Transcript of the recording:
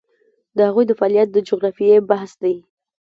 د هغوی د فعالیت د جغرافیې بحث دی.